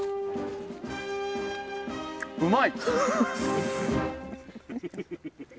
うまい！